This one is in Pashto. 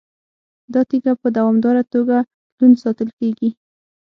دا تیږه په دوامداره توګه لوند ساتل کیږي.